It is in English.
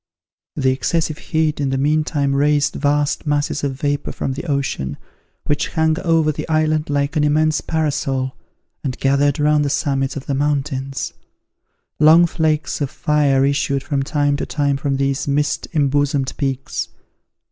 The excessive heat in the meantime raised vast masses of vapour from the ocean, which hung over the island like an immense parasol, and gathered round the summits of the mountains. Long flakes of fire issued from time to time from these mist embosomed peaks.